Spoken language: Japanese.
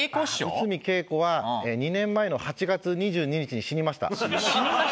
ああ内海桂子は２年前の８月２２日に死にました。